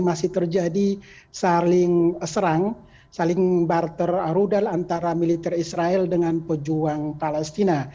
masih terjadi saling serang saling barter rudal antara militer israel dengan pejuang palestina